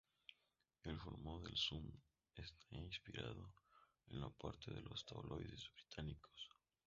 El formato del "Sun" está inspirado en parte en los tabloides británicos.